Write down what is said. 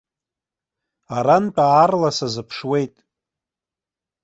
Арантә аарла сазыԥшуеит.